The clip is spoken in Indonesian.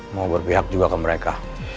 mau berpihak juga ke mereka